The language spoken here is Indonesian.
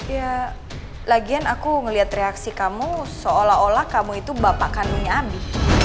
ya lagian aku ngeliat reaksi kamu seolah olah kamu itu bapak kandungnya abi